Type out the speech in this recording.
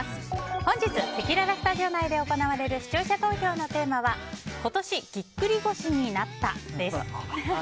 本日せきららスタジオ内で行われる視聴者投票のテーマは今年ぎっくり腰になったです。